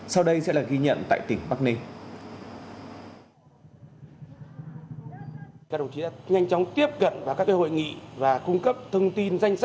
sau đây sẽ là ghi nhận tại tỉnh bắc ninh